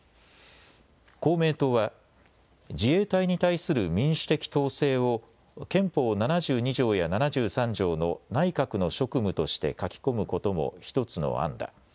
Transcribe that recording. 公明党は自衛隊に対する民主的統制を憲法７２条や７３条の内閣の職務として書き込むことも１つの案だ。